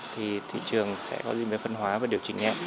thì thị trường sẽ có liên với phân hóa và điều chỉnh nhẹ